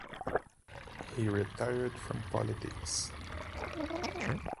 He then retired from politics.